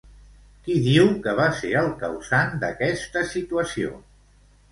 Qui diu que va ser el causant d'aquesta situació?